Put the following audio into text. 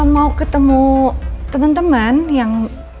mau ketemu teman teman yang